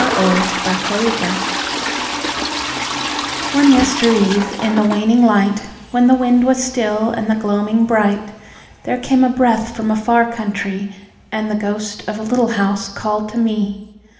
The Little House One yestereve, in the waning light, When the wind was still and the gloaming bright, There came a breath from a far countrie, And the ghost of a Little House called to me.